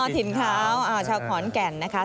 ถิ่นขาวชาวขอนแก่นนะคะ